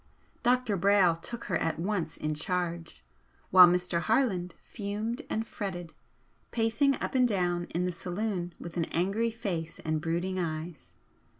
Dr. Brayle took her at once in charge, while Mr. Harland fumed and fretted, pacing up and down in the saloon with an angry face and brooding eyes.